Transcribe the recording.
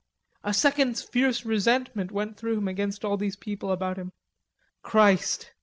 A second's fierce resentment went through him against all these people about him. Christ!